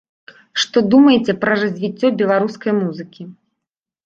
Што думаеце пра развіццё беларускай музыкі?